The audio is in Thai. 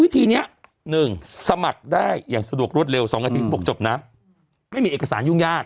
ทีเนี้ยหนึ่งสมัครได้อย่างสะดวกรวดเร็วสองอาทิตย์บอกจบนะไม่มีเอกสารยุ่งยาก